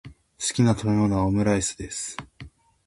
好きな食べ物はオムライスです。